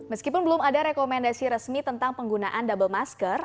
meskipun belum ada rekomendasi resmi tentang penggunaan double masker